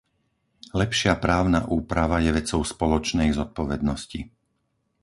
Lepšia právna úprava je vecou spoločnej zodpovednosti.